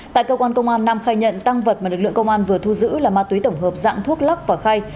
tại cơ quan công an nam khai nhận tăng vật mà lực lượng công an vừa thu giữ là ma túy tổng hợp dạng thuốc lắc và khay